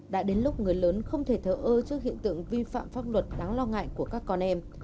đã đến lúc người lớn không thể thở ơ trước hiện tượng vi phạm pháp luật đáng lo ngại của các con em